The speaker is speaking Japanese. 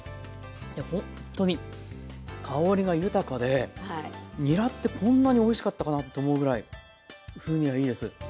ほんとに香りが豊かでにらってこんなにおいしかったかなと思うぐらい風味がいいです。